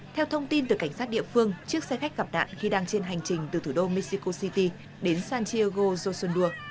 theo thông tin từ cảnh sát địa phương chiếc xe khách gặp nạn khi đang trên hành trình từ thủ đô mexico city đến santiago yosundur